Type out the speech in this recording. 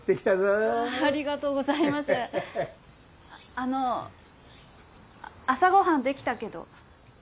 あの朝ご飯できたけど。